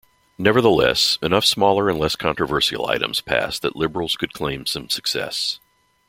Nevertheless, enough smaller and less controversial items passed that liberals could claim some success.